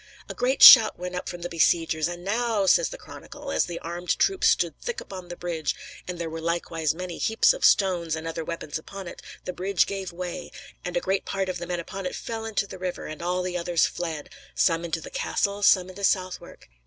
A great shout went up from the besiegers, and "now," says the chronicle, "as the armed troops stood thick upon the bridge, and there were likewise many heaps of stones and other weapons upon it, the bridge gave way; and a great part of the men upon it fell into the river, and all the others fled some into the castle, some into Southwark."